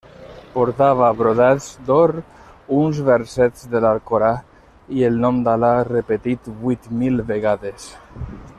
Portava brodats d'or uns versets de l'Alcorà i el nom d'Al·là repetit vuit mil vegades.